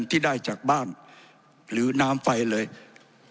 ผมจะขออนุญาตให้ท่านอาจารย์วิทยุซึ่งรู้เรื่องกฎหมายดีเป็นผู้ชี้แจงนะครับ